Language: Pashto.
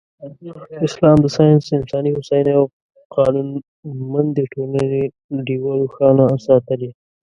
اسلام د ساینس، انساني هوساینې او قانونمندې ټولنې ډېوه روښانه ساتلې.